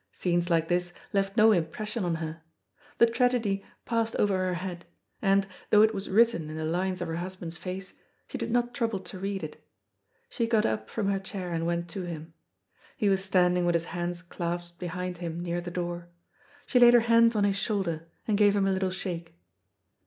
Scenes like this left no impression on her. The tragedy passed over her head; and, though it was written in the lines of her husband's face, she did not trouble to read it. She got up from her chair and went to him. He was standing with his hands clasped behind him near the door. She laid her hands on his shoulder, and gave him a little shake.